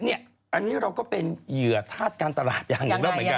เอางี้เราก็เป็นเหยื่อฆาตการตลาดอย่างนั้น